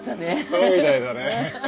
そうみたいだね。